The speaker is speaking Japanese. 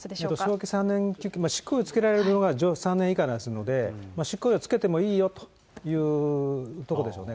懲役３年求刑、執行猶予付けられるのが懲役３年以下からですので、執行猶予付けてもいいよというところでしょうね。